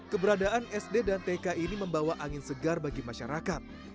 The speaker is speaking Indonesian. keberadaan sd dan tk ini membawa angin segar bagi masyarakat